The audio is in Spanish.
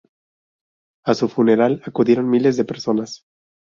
A su funeral acudieron miles de personas.